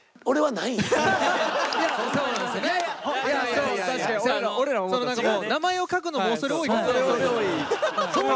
何かもう名前を書くのも恐れ多い。